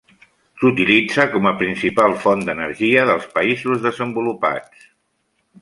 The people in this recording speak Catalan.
S’utilitza com a principal font d’energia dels països desenvolupats.